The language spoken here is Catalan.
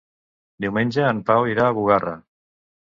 Diumenge en Pau irà a Bugarra.